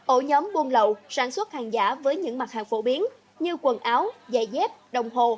ổ nhóm buôn lậu sản xuất hàng giả với những mặt hàng phổ biến như quần áo giày dép đồng hồ